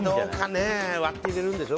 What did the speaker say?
割って入れるんでしょ。